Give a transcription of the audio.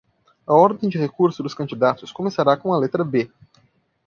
A ordem de recurso dos candidatos começará com a letra B.